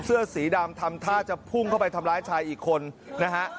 เสื้อสีดำทำท่าจะพุ่งเข้าไปทำร้ายชายอีกคนนะฮะ